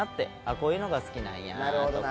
こういうのが好きなんやなとか。